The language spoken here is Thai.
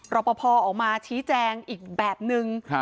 รอปภออกมาชี้แจงอีกแบบนึง